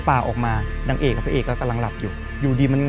พอเห็นคนขี้ป่าเห็นหนึ่ง